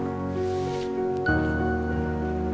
aku masih bercinta sama kamu